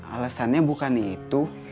alasannya bukan itu